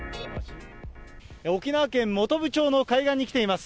沖縄県本部町の海岸に来ています。